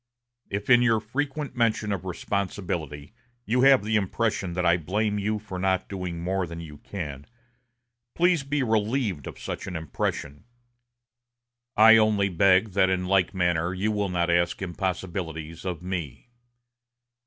If, in your frequent mention of responsibility, you have the impression that I blame you for not doing more than you can, please be relieved of such impression. I only beg that in like manner you will not ask impossibilities of me.